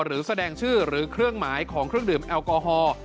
หรือแสดงชื่อหรือเครื่องหมายของเครื่องดื่มแอลกอฮอล์